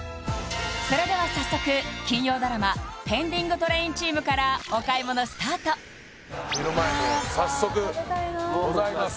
それでは早速金曜ドラマ「ペンディングトレイン」チームからお買い物スタート目の前もう早速ございます